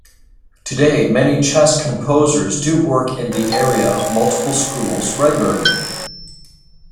Today, many chess composers do work in the area of multiple schools regularly.